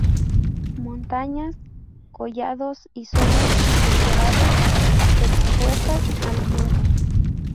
Montañas, collados y zonas litorales expuestas al viento.